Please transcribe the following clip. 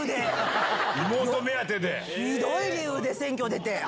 ひどい理由で選挙出て！